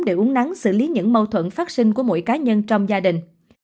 để uống nắng xử lý những mâu thuẫn phát sinh của mỗi cá nhân trong gia đình